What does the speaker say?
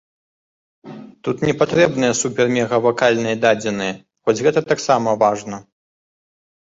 Тут не патрэбныя супермегавакальныя дадзеныя, хоць гэта таксама важна.